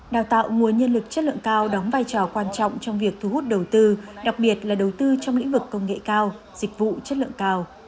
đào tạo nguồn nhân lực chất lượng cao đóng vai trò quan trọng trong việc thu hút đầu tư đặc biệt là đầu tư trong lĩnh vực công nghệ cao dịch vụ chất lượng cao